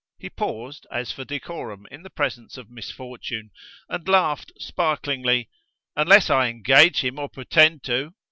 He paused, as for decorum in the presence of misfortune, and laughed sparklingly: "Unless I engage him, or pretend to!